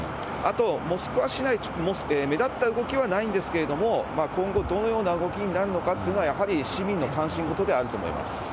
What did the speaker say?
あと、モスクワ市内、目立った動きはないんですけれども、今後、どのような動きになるのかというのは、やはり市民の関心事ではあると思います。